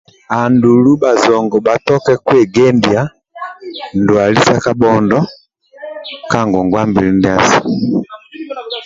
Andulu bhajogo bhatoke kwegedia ndwali sa kabhondo ka ngongwa mbili ndiasu